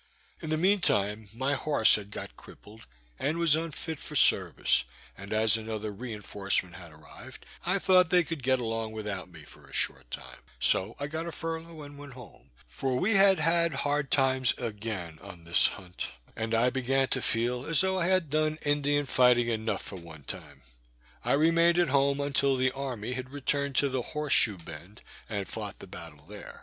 In the mean time, my horse had got crippled, and was unfit for service, and as another reinforcement had arrived, I thought they could get along without me for a short time; so I got a furlough and went home, for we had had hard times again on this hunt, and I began to feel as though I had done Indian fighting enough for one time. I remained at home until after the army had returned to the Horse shoe bend, and fought the battle there.